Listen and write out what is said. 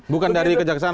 bukan dari kejaksaan